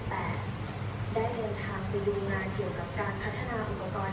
แต่ได้เดินทางไปดูงานเกี่ยวกับการพัฒนาอุปกรณ์